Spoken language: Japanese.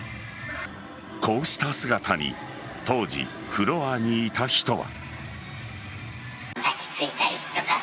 こうした姿に当時、フロアにいた人は。